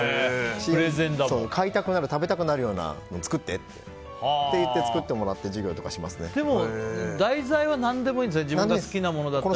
買いたくなる食べたくなるようなの作ってって言って、作ってもらって題材は何でもいいんですね。